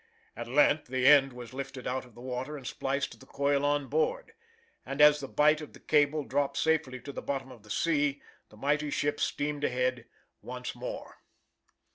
At length the end was lifted out of the water and spliced to the coil on board; and as the bight of the cable dropped safely to the bottom of the sea, the mighty ship steamed ahead once more.